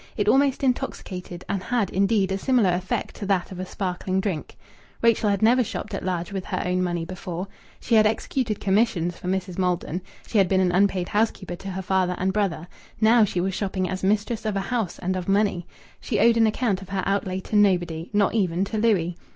It almost intoxicated, and had, indeed, a similar effect to that of a sparkling drink. Rachel had never shopped at large with her own money before. She had executed commissions for Mrs. Maldon. She had been an unpaid housekeeper to her father and brother. Now she was shopping as mistress of a house and of money. She owed an account of her outlay to nobody, not even to Louis.